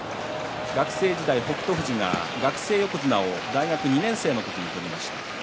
学生時代、北勝富士が学生横綱を大学２年生の時に取りました。